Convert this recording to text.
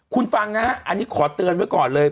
คุณฟังนะฮะอันนี้ขอเตือนไว้ก่อนเลย